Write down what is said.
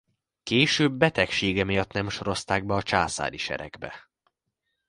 Később betegsége miatt nem sorozták be a császári seregbe.